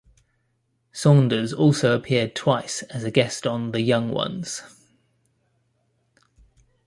Saunders also appeared twice as a guest on "The Young Ones".